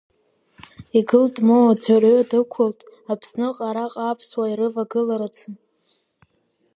Игылт-моу, аӡәырҩы дәықәлт Аԥсныҟа араҟа аԥсуаа ирывагыларацы.